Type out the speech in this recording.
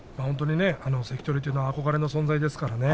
関取というのは憧れの存在ですからね。